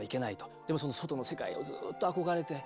でもその外の世界をずっと憧れて。